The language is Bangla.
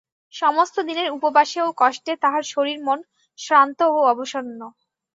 সমস্ত দিনের উপবাসে ও কষ্টে তাহার শরীর-মন শ্রান্ত ও অবসন্ন।